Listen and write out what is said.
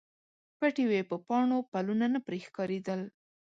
پټې وې په پاڼو، پلونه نه پرې ښکاریدل